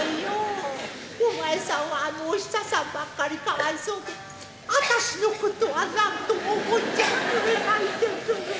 お前さんはあのお久さんばっかりかわいそうであたしのことは何とも思っちゃくれないんですね。